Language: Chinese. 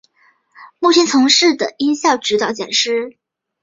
目前从事的音效指导讲师。